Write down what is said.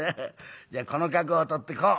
じゃあこの角を取ってこう」。